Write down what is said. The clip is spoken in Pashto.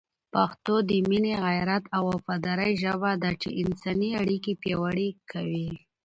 پښتو د مینې، غیرت او وفادارۍ ژبه ده چي انساني اړیکي پیاوړې کوي.